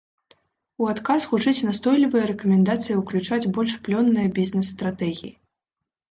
У адказ гучыць настойлівая рэкамендацыя ўключаць больш плённыя бізнес-стратэгіі.